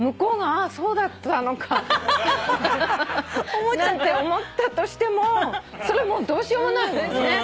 思っちゃった？なんて思ったとしてもそれもうどうしようもないもんね。